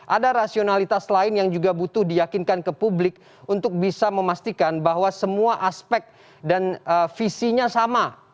ada rasionalitas lain yang juga butuh diyakinkan ke publik untuk bisa memastikan bahwa semua aspek dan visinya sama